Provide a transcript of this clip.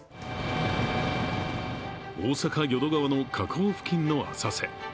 大阪・淀川の河口付近の浅瀬。